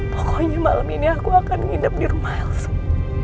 pokoknya malam ini aku akan hidup di rumah alson